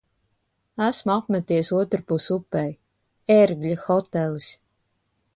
Esmu apmeties otrpus upei. "Ērgļa hotelis".